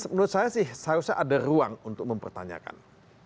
menurut saya sih seharusnya ada ruang untuk mempertanyakan